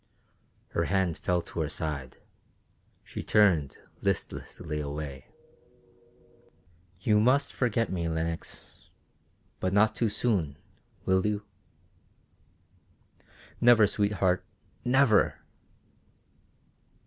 Her hand fell to her side, and she turned listlessly away. "You must forget me, Lenox but not too soon, will you?" "Never, sweetheart never!"